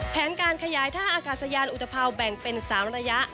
แผนการขยายท่าอากาศยานอุตภาวแบ่งเป็น๓ระยะ